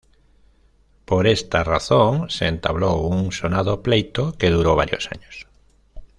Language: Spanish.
Por esta razón se entabló un sonado pleito que duró varios años.